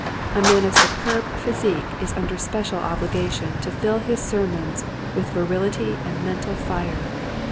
A man of superb physique is under special obligation to fill his sermons with virility and mental fire.